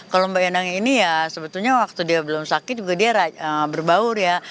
kalau mbak endang ini ya sebetulnya waktu dia belum sakit juga dia berbaur ya